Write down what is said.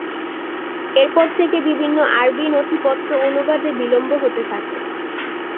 এরপর থেকে বিভিন্ন আরবী নথিপত্র অনুবাদে বিলম্ব হতে থাকে।